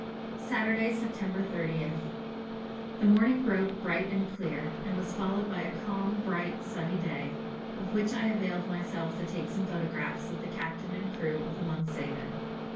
Saturday, September 30th. The morning broke bright and clear, and was followed by a calm, bright, sunny day, of which I availed myself to take some photographs of the captain and crew of the 'Monkshaven.'